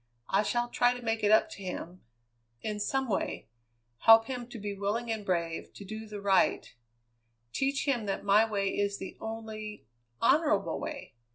I shall try to make it up to him in some way; help him to be willing and brave, to do the right; teach him that my way is the only honourable way.